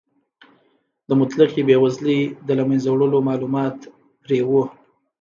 د مطلقې بې وزلۍ د له منځه وړلو مالومات پرې و.